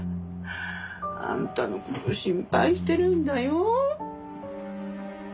あんたの事心配してるんだよ。